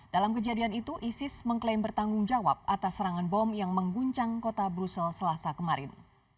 dalam kejadian itu isis mengklaim bertanggung jawab atas serangan bom yang mengguncang kota brussel selasa kemarin